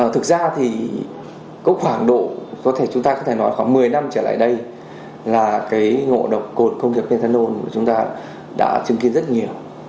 thực ra thì có khoảng độ chúng ta có thể nói khoảng một mươi năm trở lại đây là ngộ độc cồn công nghiệp methanol của chúng ta đã chứng kiến rất nhiều